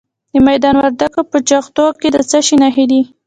د میدان وردګو په جغتو کې د څه شي نښې دي؟